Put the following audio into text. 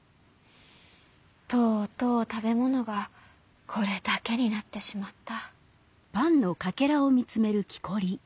とうとうたべものがこれだけになってしまった」。